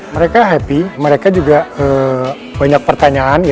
mereka happy mereka juga banyak pertanyaan